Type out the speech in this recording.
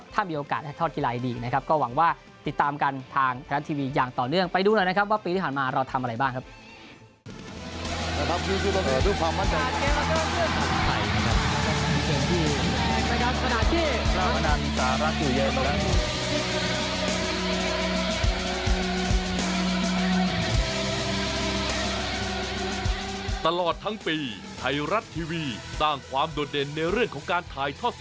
ถ้ามีโอกาสได้ทอดกีฬาดีนะครับก็หวังว่าติดตามกันทางไทยรัฐทีวีอย่างต่อเนื่องไปดูหน่อยนะครับว่าปีที่ผ่านมาเราทำอะไรบ้างครับ